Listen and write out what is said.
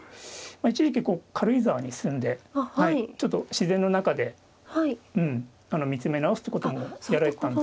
一時期軽井沢に住んでちょっと自然の中でうん見つめ直すってこともやられてたんですね。